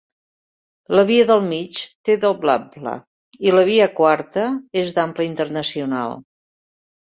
La via del mig té doble ample, i la via quarta és d'ample internacional.